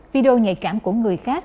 video nhạy cảm của người khác